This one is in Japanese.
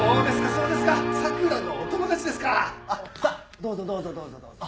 どうぞどうぞどうぞどうぞ。